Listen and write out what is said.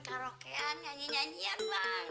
karaokean nyanyi nyanyian bang